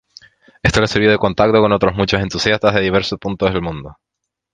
Esto le sirvió de contacto con otros muchos entusiastas de diversos puntos del mundo.